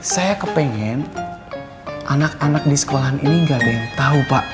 saya kepengen anak anak di sekolah ini ga ada yang tau pak